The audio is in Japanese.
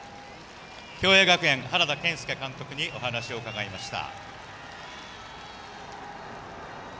共栄学園、原田健輔監督にお話を伺いました。